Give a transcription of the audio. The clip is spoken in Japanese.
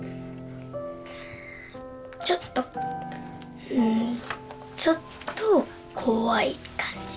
ちょっとうんちょっと怖い感じ。